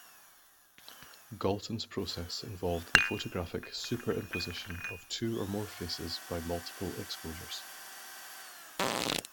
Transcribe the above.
Galton's process involved the photographic superimposition of two or more faces by multiple exposures.